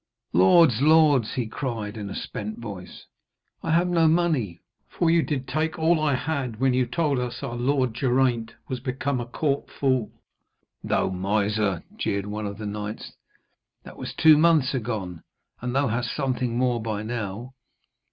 'Lords! lords,' he cried in a spent voice, 'I have no money, for you did take all I had when you told us our lord Geraint was become a court fool.' 'Thou miser!' jeered one of the knights, 'that was two months agone, and thou hast something more by now.